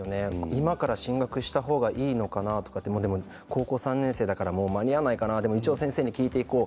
今から進学した方がいいのかなとかでも高校３年生だから間に合わないかなでも一応先生に聞こう。